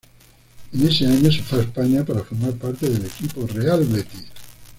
En ese año se fue a España para formar parte del equipo Real Betis.